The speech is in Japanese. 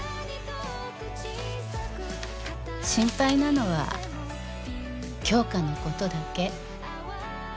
「心配なのは杏花のことだけ」